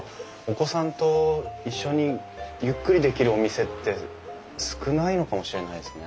お子さんと一緒にゆっくりできるお店って少ないのかもしれないですね。